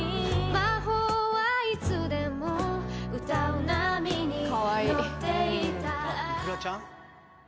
「魔法はいつでも歌う波に乗っていた」